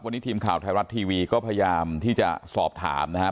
วันนี้ทีมข่าวไทยรัฐทีวีก็พยายามที่จะสอบถามนะครับ